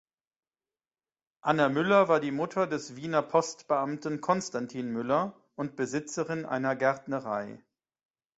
Anna Müller war die Mutter des Wiener Postbeamten Konstantin Müller und Besitzerin einer Gärtnerei.